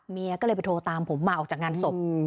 เมียก็เลยไปโทรตามผมมาออกจากงานศพ